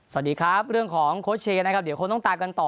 สวัสดีครับเรื่องของโค้ชเชย์นะครับเดี๋ยวคงต้องตามกันต่อ